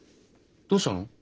どうしたの？